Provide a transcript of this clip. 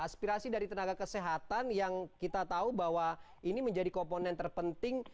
aspirasi dari tenaga kesehatan yang kita tahu bahwa ini menjadi komponen terpenting